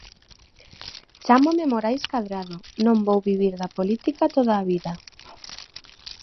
Chámome Morais Cadrado, non vou vivir da política toda a vida.